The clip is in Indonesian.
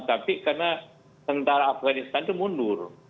tapi karena tentara afganistan itu mundur